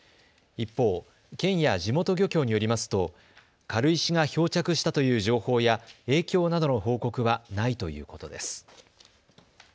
一方、県や地元漁協によりますと軽石が漂着したという情報や影響などの報告はないということです。